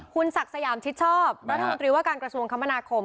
คุณศักดิ์สยามชิดชอบรัฐมนตรีว่าการกระทรวงคมนาคม